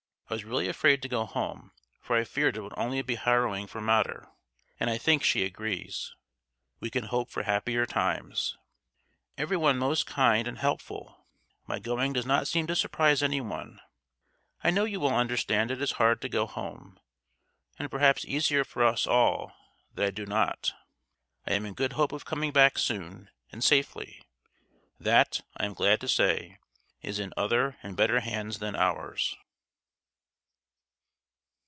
I was really afraid to go home, for I feared it would only be harrowing for Mater, and I think she agrees. We can hope for happier times. Everyone most kind and helpful: my going does not seem to surprise anyone. I know you will understand it is hard to go home, and perhaps easier for us all that I do not. I am in good hope of coming back soon and safely: that, I am glad to say, is in other and better hands than ours."